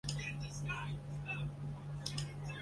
本列表为中华人民共和国驻尼日利亚历任大使名录。